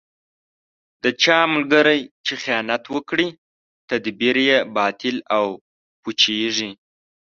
د چا ملګری چې خیانت وکړي، تدبیر یې باطل او پوچېـږي.